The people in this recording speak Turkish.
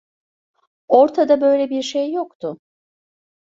Ortada böyle bir şey yoktu.